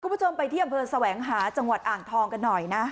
คุณผู้ชมไปที่อำเภอแสวงหาจังหวัดอ่างทองกันหน่อยนะ